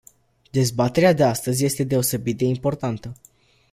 Dezbaterea de astăzi este deosebit de importantă.